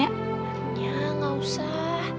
nyanya enggak usah